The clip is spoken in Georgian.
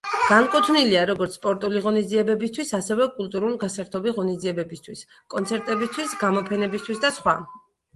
განკუთვნილია როგორც სპორტული ღონისძიებებისთვის, ასევე კულტურულ-გასართობი ღონისძიებებისთვის, კონცერტებისთვის, გამოფენებისთვის და სხვა.